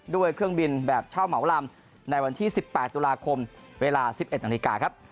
ด้วยเครื่องบินแบบเช่าเหมาลำในวันที่๑๘ตุลาคมเวลา๑๑นาฬิกาครับ